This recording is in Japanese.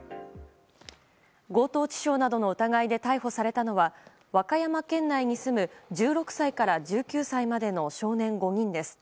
強盗致傷などの疑いで逮捕されたのは和歌山県内に住む１６歳から１９歳までの少年５人です。